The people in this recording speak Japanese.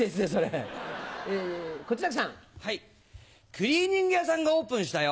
クリーニング屋さんがオープンしたよ。